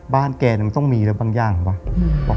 บ้านแกเนี่ยมันต้องมีอะไรบางอย่างอะวะ